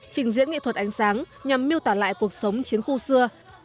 trình diễn nghệ thuật ánh sáng nhằm miêu tả lại cuộc sống chiến khu xưa